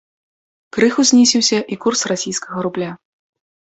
Крыху знізіўся і курс расійскага рубля.